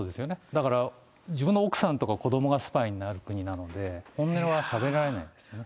だから、自分の奥さんとか子どもがスパイになる国なので、本音はしゃべらないですね。